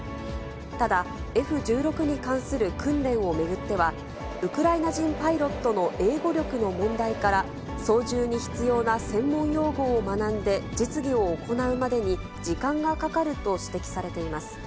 ただ、Ｆ１６に関する訓練を巡っては、ウクライナ人パイロットの英語力の問題から、操縦に必要な専門用語を学んで、実技を行うまでに時間がかかると指摘されています。